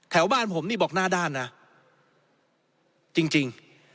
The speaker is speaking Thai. แถวบ้านผมนี่บอกหน้าด้านนะจริง